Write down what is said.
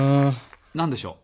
何でしょう？